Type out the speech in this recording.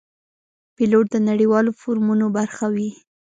پیلوټ د نړیوالو فورمونو برخه وي.